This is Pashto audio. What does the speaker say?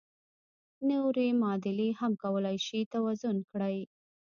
نورې معادلې هم کولای شئ توازن کړئ.